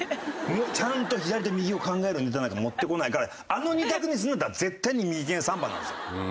ちゃんと左と右を考えるネタなんか持ってこないからあの２択にするんだったら絶対に「右ケンサンバ」なんですよ。